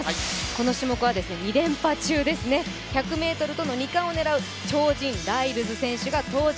この種目は２連覇中ですね、１００ｍとの２冠を狙う超人ライルズ選手が登場。